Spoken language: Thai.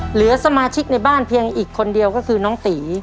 เหลือสมาชิกในบ้านเพียงอีกคนเดียวก็คือน้องตี